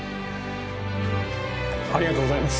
ありがとうございます。